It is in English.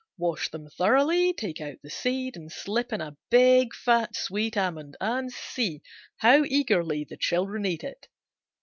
Wash them thoroughly, take out the seed and slip in a big, fat, sweet almond, and see how eagerly the children eat it.